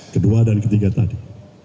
kedua dan ketiga tadi